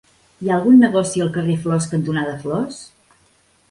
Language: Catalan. Hi ha algun negoci al carrer Flors cantonada Flors?